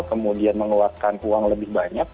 kemudian mengeluarkan uang lebih banyak